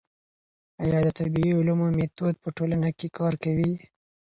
ايا د طبيعي علومو ميتود په ټولنه کي کار کوي؟